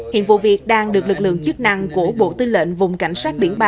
hiện vụ việc đang được lực lượng chức năng của bộ tư lệnh vùng cảnh sát biển ba